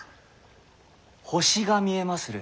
星が見えまする。